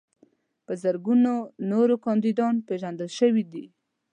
په زرګونو نور کاندیدان پیژندل شوي دي.